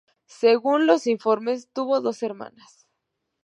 Según los informes, tuvo dos hermanas.